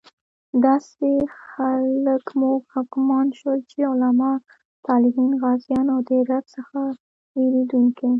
داسې خلک مو حاکمان شول چې علماء، صالحین، غازیان او د رب څخه ویریدونکي